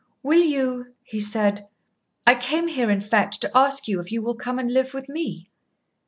"Will you," he said "I came here, in fact, to ask you if you will come and live with me?"